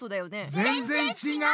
ぜんぜんちがう！